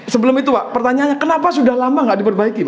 sebelum itu pak pertanyaannya kenapa sudah lama nggak diperbaiki pak